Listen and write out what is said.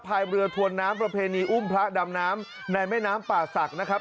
ยเรือทวนน้ำประเพณีอุ้มพระดำน้ำในแม่น้ำป่าศักดิ์นะครับ